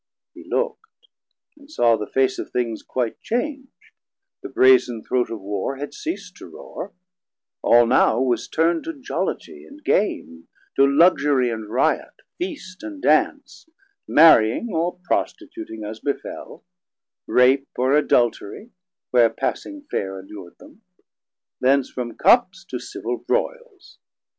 He look'd, & saw the face of things quite chang'd; The brazen Throat of Warr had ceast to roar, All now was turn'd to jollitie and game, 710 To luxurie and riot, feast and dance, Marrying or prostituting, as befell, Rape or Adulterie, where passing faire Allurd them; thence from Cups to civil Broiles.